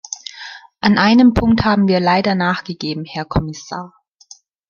An einem Punkt haben wir leider nachgegeben, Herr Kommissar.